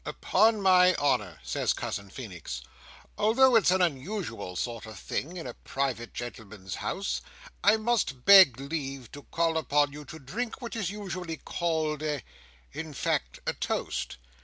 "Upon my honour," says Cousin Feenix, "although it's an unusual sort of thing in a private gentleman's house, I must beg leave to call upon you to drink what is usually called a—in fact a toast."